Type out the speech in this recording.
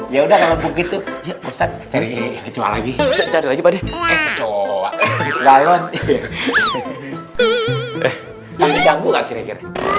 ya udah kalau begitu jadi kecuali lagi lagi